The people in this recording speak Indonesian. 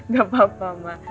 gak apa apa mbak